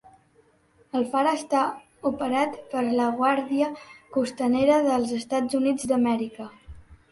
El far està operat per la Guàrdia Costanera dels Estats Units d'Amèrica.